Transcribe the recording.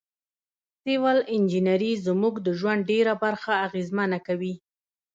سیول انجنیری زموږ د ژوند ډیره برخه اغیزمنه کوي.